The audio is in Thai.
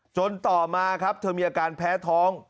ต่อมาครับเธอมีอาการแพ้ท้อง